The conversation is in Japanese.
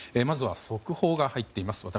まずは速報が入っています。